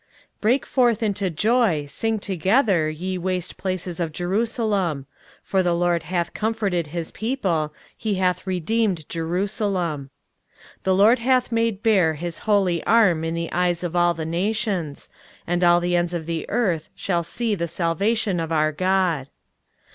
23:052:009 Break forth into joy, sing together, ye waste places of Jerusalem: for the LORD hath comforted his people, he hath redeemed Jerusalem. 23:052:010 The LORD hath made bare his holy arm in the eyes of all the nations; and all the ends of the earth shall see the salvation of our God.